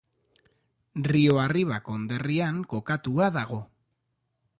Rio Arriba konderrian kokatua dago.